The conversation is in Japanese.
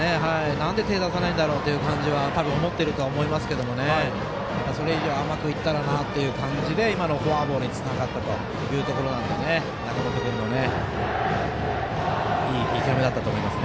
なんで手を出さないんだろうと多分思っているとは思うんですけどそれ以上甘くいったらなという感じで今のフォアボールにつながったというところなので中本君のいい見極めだったと思います。